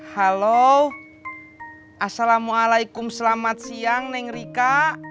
halo assalamualaikum selamat siang neng rika